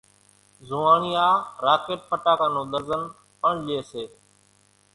زوئاڻيا راڪيٽ ڦٽاڪان نون ۮرزن پڻ لئي سي